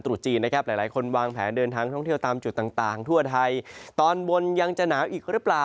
ตรดจีนนะครับหลายคนวางแผนเดินทางท่องเที่ยวตามจุดต่างทั่วไทยตอนบนยังจะนอด